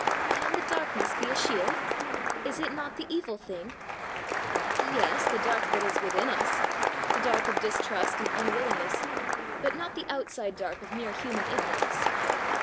"Can the darkness be a shield? Is it not the evil thing?" "Yes, the dark that is within us the dark of distrust and unwillingness, but not the outside dark of mere human ignorance.